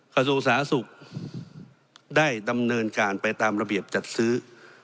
กระทรวงสาธารณสุขได้ดำเนินการไปตามระเบียบจัดซื้อ